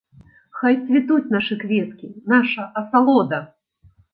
Хай цвітуць нашы кветкі, наша асалода!